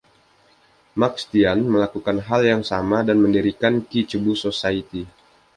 Max Tian melakukan hal yang sama dan mendirikan Ki Cebu Society.